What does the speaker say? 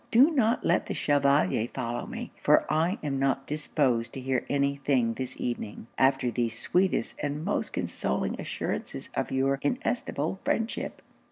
Do not let the Chevalier follow me; for I am not disposed to hear any thing this evening, after these sweetest and most consoling assurances of your inestimable friendship.